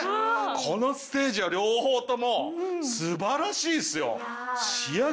このステージは両方とも素晴らしいですよ！